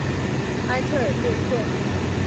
埃特尔贝克。